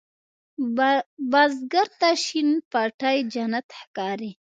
بزګر ته شین پټی جنت ښکاري